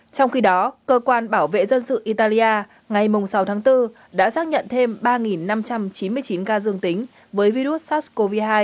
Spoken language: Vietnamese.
trong khi đó cơ quan bảo vệ dân sự italia ngày sáu tháng bốn đã xác nhận thêm ba năm trăm chín mươi chín ca dương tính với virus sars cov hai